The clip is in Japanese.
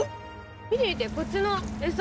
見て見てこっちの餌。